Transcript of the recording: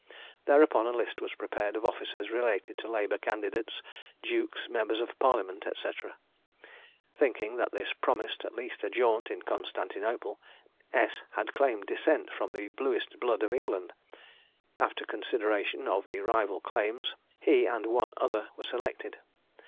Thereupon a list was prepared of officers related to Labour Candidates, Dukes, Members of Parliament, &c. Thinking that this promised at least a jaunt in Constantinople, S had claimed descent from the bluest blood of England. After consideration of the rival claims, he and one other were selected.